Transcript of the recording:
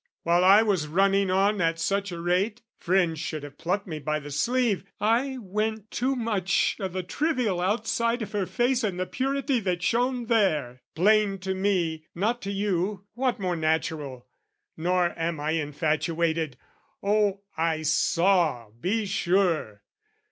While I was running on at such a rate, Friends should have plucked me by the sleeve: I went Too much o' the trivial outside of her face And the purity that shone there plain to me, Not to you, what more natural? Nor am I Infatuated, oh, I saw, be sure!